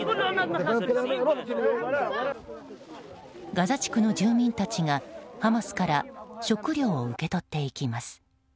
ガザ地区の住民たちがハマスから食料を受け取っていきます。